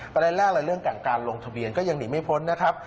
ประเด็นแรกเลยเรื่องการลงทะเบียนก็ยังหนีไม่พ้นนะครับ